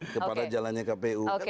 kepada jalannya kpu